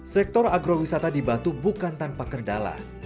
sektor agro wisata di batu bukan tanpa kendala